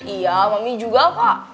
iya mami juga pak